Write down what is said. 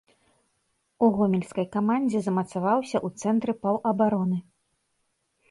У гомельскай камандзе замацаваўся ў цэнтры паўабароны.